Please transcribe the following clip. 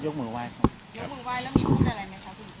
ยกมือไว้แล้วมียกมืออะไรไหมครับคุณครู